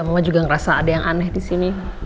mama juga ngerasa ada yang aneh di sini